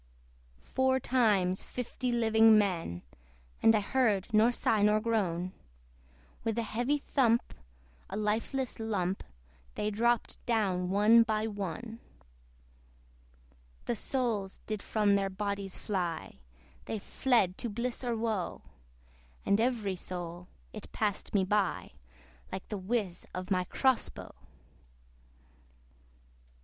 Four times fifty living men, (And I heard nor sigh nor groan) With heavy thump, a lifeless lump, They dropped down one by one. The souls did from their bodies fly, They fled to bliss or woe! And every soul, it passed me by, Like the whizz of my CROSS BOW!